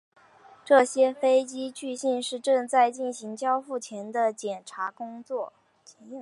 这些飞机据信是正在进行交付前的检验工作。